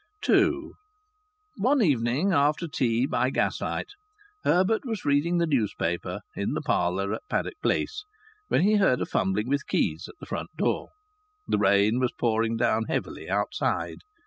II One evening, after tea, by gaslight, Herbert was reading the newspaper in the parlour at Paddock Place, when he heard a fumbling with keys at the front door. The rain was pouring down heavily outside.